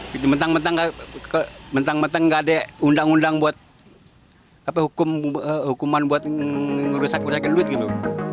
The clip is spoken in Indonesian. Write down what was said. gitu mentang mentang gak ada undang undang buat hukuman buat ngerusak ngurusakan duit gitu